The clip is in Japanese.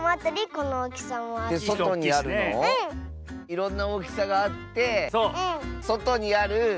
いろんなおおきさがあってそとにある。